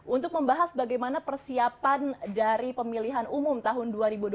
untuk membahas bagaimana persiapan dari pemilihan umum tahun dua ribu dua puluh